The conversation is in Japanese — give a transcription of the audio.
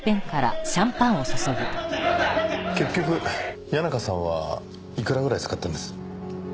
結局谷中さんはいくらぐらい使ったんです？